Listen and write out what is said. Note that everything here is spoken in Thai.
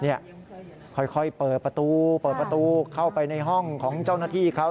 ค่อยเปิดประตูเปิดประตูเข้าไปในห้องของเจ้าหน้าที่เขา